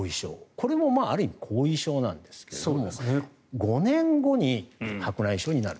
これもある意味、後遺症なんですけども５年後に白内障になる。